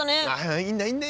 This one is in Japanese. いいんだいいんだ。